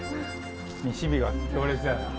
西日が強烈やな。